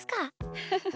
フフフフ。